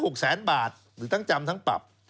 โอ้โฮปรับ๓๖๐๐บาทหรือทั้งจำทั้งปรับ